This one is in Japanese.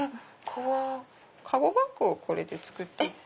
籠バッグをこれで作っていて。